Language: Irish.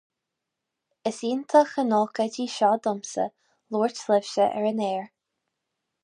Is iontach an ócáid í seo domsa labhairt libhse ar an aer.